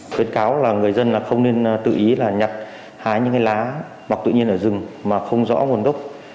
khuyến cáo là người dân không nên tự ý nhặt hái những cái lá bọc tự nhiên ở rừng mà không rõ nguồn đốc